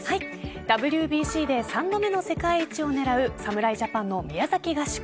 ＷＢＣで３度目の世界一を狙う侍ジャパンの宮崎合宿。